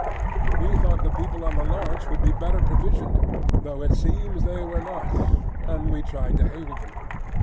We thought the people on the launch would be better provisioned (though it seems they were not), and we tried to hail them.